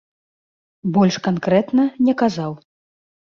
Больш канкрэтна не казаў.